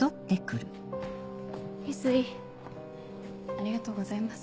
ありがとうございます。